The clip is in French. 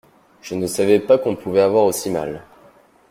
Je ne savais pas qu’on pouvait avoir aussi mal.